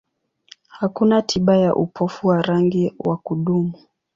Hakuna tiba ya upofu wa rangi wa kudumu.